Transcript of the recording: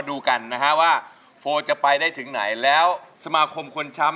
อยู่ที่หน้าของร้ายให้ร้าน